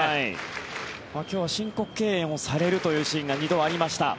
今日は申告敬遠されるというシーンが２度ありました。